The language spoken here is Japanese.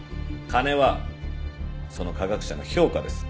金はその科学者の評価です。